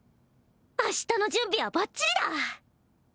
明日の準備はバッチリだ！